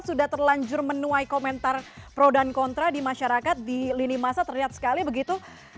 sudah terlanjur menuai komentar pro dan kontra di masyarakat di lini masa terlihat sekali begitu